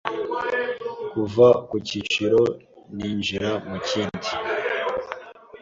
kuva ku kiciro ninjira mu kindi.